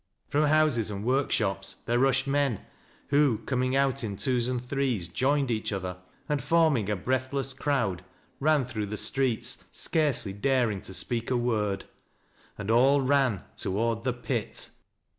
From houses and workshops there rushed man, who, coming out in twos and threes joined each other, and, forming a breathless crowd, ran through the streets scarcely daring to speak a word — and all ran toward the pit.